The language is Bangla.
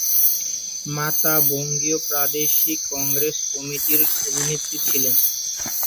মাতা বঙ্গীয় প্রাদেশিক কংগ্রেস কমিটির সভানেত্রী ছিলেন।